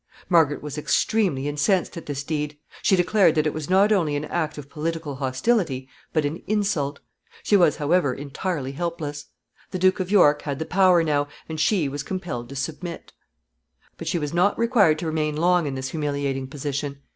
Margaret was extremely incensed at this deed. She declared that it was not only an act of political hostility, but an insult. She was, however, entirely helpless. The Duke of York had the power now, and she was compelled to submit. [Sidenote: Her care of Henry.] But she was not required to remain long in this humiliating position.